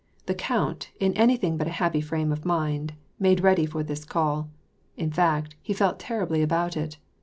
The count, in anything but a happy frame of mind, made ready for this call ; in fact, he felt terribly about it.